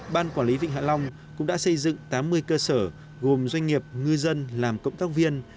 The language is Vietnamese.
ban quản lý vịnh hạ long cũng đã xây dựng tám mươi cơ sở gồm doanh nghiệp ngư dân làm cộng tác viên